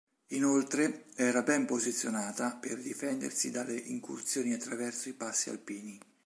Inoltre, era ben posizionata per difendersi dalle incursioni attraverso i passi alpini.